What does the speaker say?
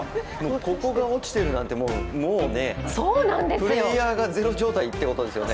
ここが落ちてるなんて、プレーヤーがゼロ状態ですよね。